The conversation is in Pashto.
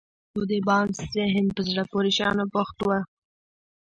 خو د بارنس ذهن په زړه پورې شيانو بوخت و.